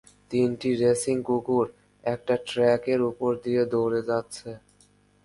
তিনটি রেসিং কুকুর একটা ট্র্যাকের উপর দিয়ে দৌড়ে যাচ্ছে।